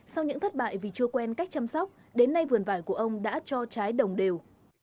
sau những thất bại vì chưa quen cách chăm sóc đến nay vườn vải của ông đã cho trái đồng đều